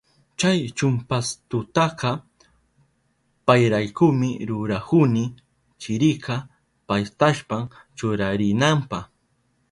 Kay chumpastutaka payraykumi rurahuni, chirika paktashpan churarinanpa.